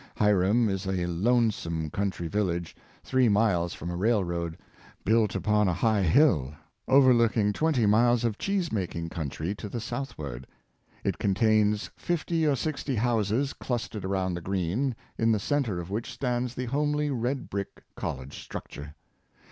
Hiram is a lonesome country village, three miles from a railroad, built upon a high hill, overlook ing twenty miles of cheese making country to the south ward. It contains fifty or sixty houses clustered around the green, in the centre of which stands the homely red brick college structure.